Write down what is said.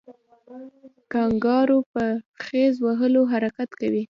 کانګارو په خیز وهلو حرکت کوي